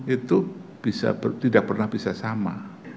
itu tidak pernah bisa sama